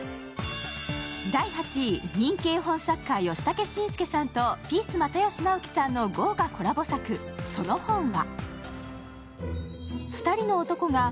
第８位、人気絵本作家・ヨシタケシンスケさんとピース・又吉直樹さんの豪華コラボ作、「その本は」